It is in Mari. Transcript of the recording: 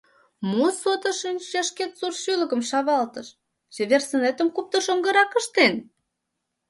Мо сото шинчашкет сур шӱлыкым шавалтыш — чевер сынетым куптыр шоҥгырак ыштен?